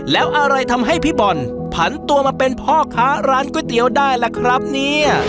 แล้วอะไรทำให้พี่บอลผันตัวมาเป็นพ่อค้าร้านก๋วยเตี๋ยวได้ล่ะครับเนี่ย